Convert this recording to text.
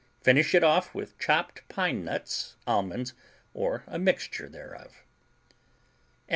Finish it off with chopped pine nuts, almonds, or a mixture thereof.